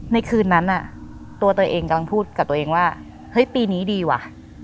ในคืนนั้นตัวตัวเองกำลังพูดกับตัวเองว่าเฮ้ยปีนี้ดีว่ะ